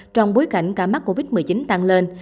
trong bối cảnh ca mắc covid một mươi chín tăng lên